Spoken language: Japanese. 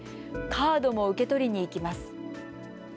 カードも受け取りに行きます。